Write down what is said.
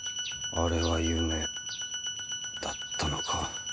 あれは夢だったのか？